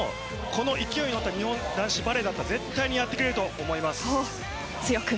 でも、この勢いに乗った日本男子バレーだったら絶対にやってくれると思います。